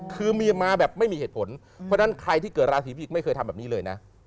คือมีมาแบบไม่มีเหตุผลเพราะฉะนั้นใครที่เกิดราศีพิจิกไม่เคยทำแบบนี้เลยนะ